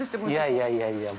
◆いやいや、いやいや。